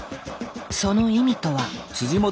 その意味とは？